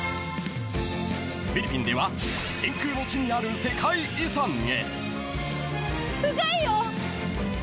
［フィリピンでは天空の地にある世界遺産へ］